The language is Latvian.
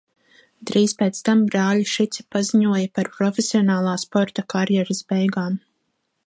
Drīz pēc tam brāļi Šici paziņoja par profesionālā sporta karjeras beigām.